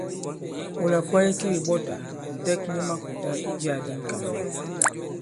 Wula kwaye ki kèɓɔtà, ǹtɛk mu kùta i jiyā di ŋ̀kànlɛ̀.